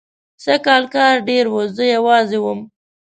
سږکال کار ډېر و، زه یوازې وم.